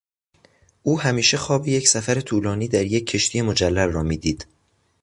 او همیشه خواب یک سفر طولانی در یک کشتی مجلل را میدید.